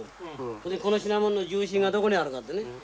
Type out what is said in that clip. ほいでこの品物の重心がどこにあるかってね。